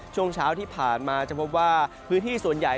ช่วงเช้าที่ผ่านมาจะพบว่าพื้นที่ส่วนใหญ่